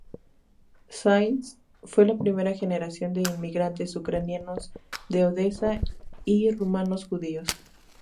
Sills fue la primera generación de inmigrantes ucranianos de Odesa y rumanos judíos.